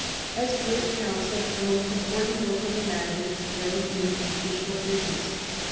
As great council, the most important work of the magnates lay in judicial business.